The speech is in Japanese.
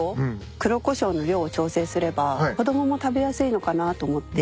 黒こしょうの量を調整すれば子供も食べやすいのかなと思って。